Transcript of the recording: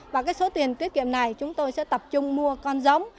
và cái số tiền tiết kiệm này chúng tôi sẽ tập trung mua con giống